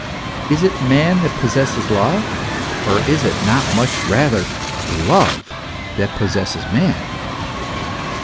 Is it man that possesses love, or is it not much rather love that possesses man